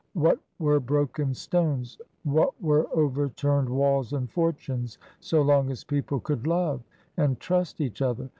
What were broken stones, wliat were overturned walls and fortunes, so long as people could love and trust each other?